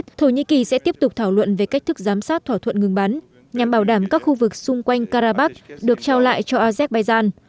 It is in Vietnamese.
thổ nhĩ kỳ sẽ tiếp tục thảo luận về cách thức giám sát thỏa thuận ngừng bắn nhằm bảo đảm các khu vực xung quanh karabakh được trao lại cho azerbaijan